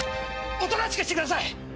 おとなしくしてください！